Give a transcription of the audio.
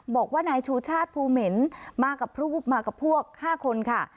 บอกว่านายชูชาติภูมิเหม็นมากับพวก๕คนค่ะ